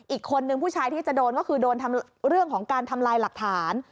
อีกคนนึงผู้ชายที่จะโดนก็คือโดนทำเรื่องของการทำลายหลักฐาน